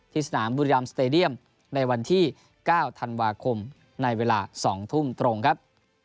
สนามบุรีรัมสเตดียมในวันที่๙ธันวาคมในเวลา๒ทุ่มตรงครับ